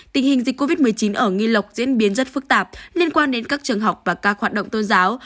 tình hình dịch covid một mươi chín ở nghi lộc diễn biến rất phức tạp liên quan đến các trường học và các hoạt động tôn giáo